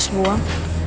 aku harus buang